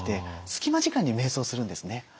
隙間時間にめい想するんですね。